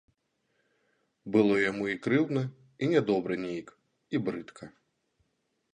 Было яму і крыўдна, і нядобра нейк, і брыдка.